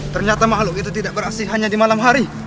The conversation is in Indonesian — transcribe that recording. ternyata makhluk itu tidak beraksi hanya di malam hari